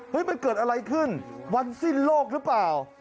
มันเกิดอะไรขึ้นวันสิ้นโลกหรือเปล่า